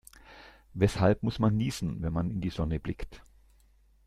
Weshalb muss man niesen, wenn man in die Sonne blickt?